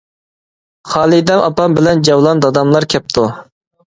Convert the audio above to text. خالىدەم ئاپام بىلەن جەۋلان داداملار كەپتۇ!